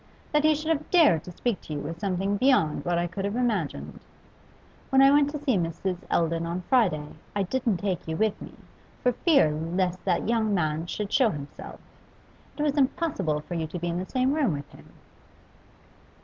That he should have dared to speak to you is something beyond what I could have imagined. When I went to see Mrs. Eldon on Friday I didn't take you with me, for fear lest that young man should show himself. It was impossible for you to be in the same room with him.